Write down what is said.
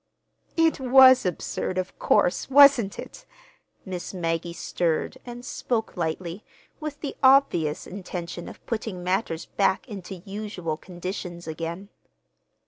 "It was absurd, of course, wasn't it?" Miss Maggie stirred and spoke lightly, with the obvious intention of putting matters back into usual conditions again.